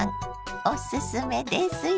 おすすめですよ。